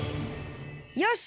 よし！